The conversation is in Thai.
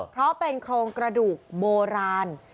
เพราะเป็นโครงกระดูกโบราณ